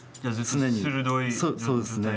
常にそうですね。